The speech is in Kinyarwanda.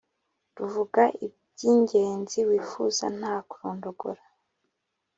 ruvuga iby’ingenzi wifuza nta kurondogora.